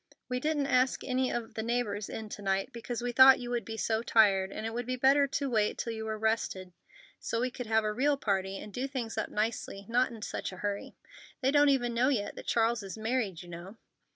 "We didn't ask any of the neighbors in to night, because we thought you would be so tired, and it would be better to wait till you were rested, so we could have a real party and do things up nicely, not in such a hurry. They don't even know yet that Charles is married, you know."